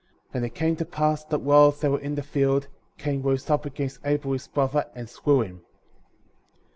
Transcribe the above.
And it came to pass that while they were in the field, Cain rose up against Abel, his brother, and slew him.